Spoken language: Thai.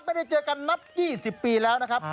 ไม่ได้เจอกันนับ๒๐ปีแล้วนะครับ